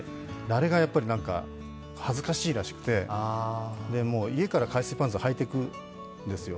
あれが恥ずかしいらしくて、家から海水パンツを履いていくんですよ。